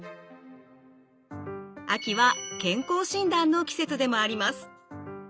秋は健康診断の季節でもあります。